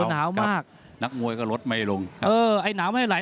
หนาวมากนักมวยก็ลดไม่ลงเออไอ้หนาวไม่ไหล